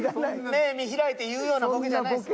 目見開いて言うようなボケじゃないです。